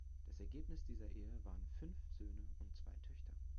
Das Ergebnis dieser Ehe waren fünf Söhne und zwei Töchter.